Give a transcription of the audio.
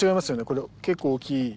これ結構大きい。